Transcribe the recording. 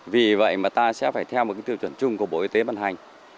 vì vậy mà ta sẽ phải theo một tiêu chuẩn chung của bộ y tế ban hành